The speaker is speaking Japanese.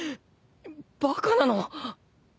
バカなの？